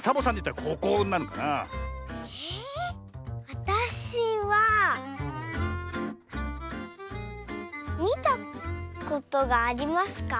わたしはみたことがありますか？